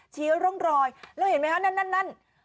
ชี้ร่องรอยแล้วเห็นไหมฮะนั่นนั่นนั่น